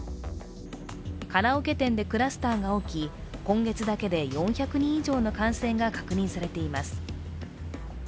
カラオケ店でクラスターが起き、今月だけで４００人以上の感染が確認されています。